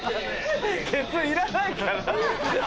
ケツいらないから。